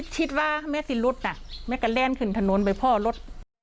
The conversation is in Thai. ชิดว่าแม่สิหลุดแม่ก็แล้นขึ้นถนนไปพ่อรถ